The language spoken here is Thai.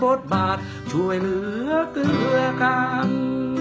บทบาทช่วยเหลือเกลือกัน